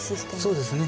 そうですね。